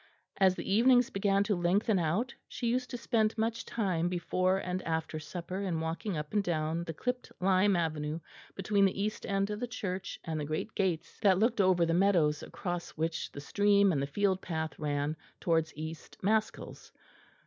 As the evenings began to lengthen out she used to spend much time before and after supper in walking up and down the clipped lime avenue between the east end of the church and the great gates that looked over the meadows across which the stream and the field path ran towards East Maskells.